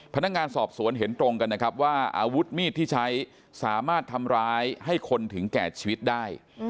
พนักงานสอบสวนเห็นตรงกันนะครับว่าอาวุธมีดที่ใช้สามารถทำร้ายให้คนถึงแก่ชีวิตได้